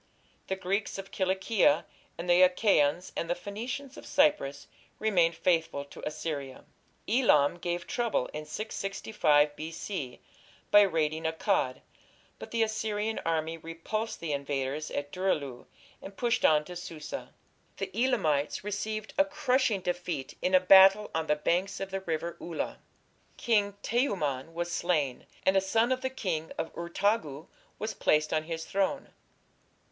The Greeks of Cilicia, and the Achaeans and Phoenicians of Cyprus remained faithful to Assyria. Elam gave trouble in 665 B.C. by raiding Akkad, but the Assyrian army repulsed the invaders at Dur ilu and pushed on to Susa. The Elamites received a crushing defeat in a battle on the banks of the River Ula. King Teumman was slain, and a son of the King of Urtagu was placed on his throne.